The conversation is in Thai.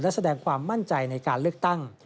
และแสดงความมั่นใจในการเลือกตั้ง